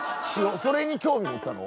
それに興味持ったの？